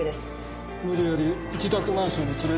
無理やり自宅マンションに連れて。